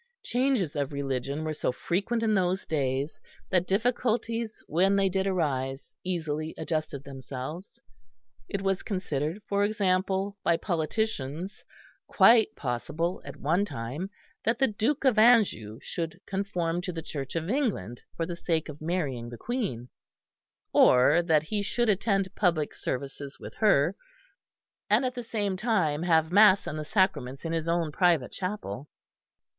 Changes of religion were so frequent in those days that difficulties, when they did arise, easily adjusted themselves. It was considered, for example, by politicians quite possible at one time that the Duke of Anjou should conform to the Church of England for the sake of marrying the Queen: or that he should attend public services with her, and at the same time have mass and the sacraments in his own private chapel.